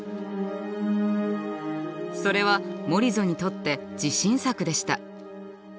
それはモリゾにとって自信作でした。